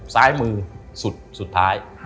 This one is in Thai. ซ้ายมือสุดท้าย